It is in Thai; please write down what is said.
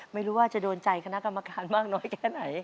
ไม่รู้ว่าจะโดนใจคณะกรรมการมากน้อยแค่ไหน